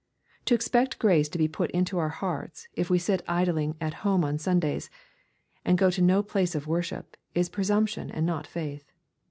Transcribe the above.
To expect grace to be put into our hearts, if we sit idling at home on Sundays, and go to no place of worship, is presumption and not faith.